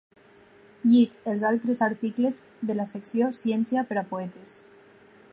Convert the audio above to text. Llig els altres articles de la secció ‘Ciència per a poetes’.